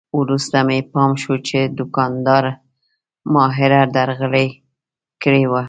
وروسته مې پام شو چې دوکاندار ماهره درغلي کړې وه.